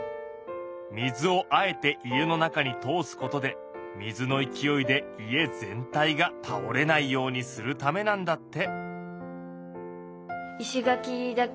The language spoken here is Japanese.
水をあえて家の中に通すことで水の勢いで家全体がたおれないようにするためなんだって。